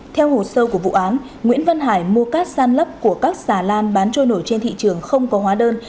theo hồ sơ của vụ án nguyễn văn hải mua cát san lấp của các xà lan bán trôi nổi trên thị trường không có hóa đơn